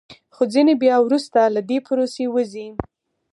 خو ځینې بیا وروسته له دې پروسې وځي